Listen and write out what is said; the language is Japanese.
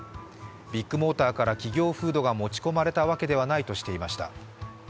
ビッグモーターから企業風土が持ち込まれたわけではないとしていました。